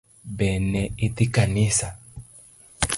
Be ne idhi kanisa?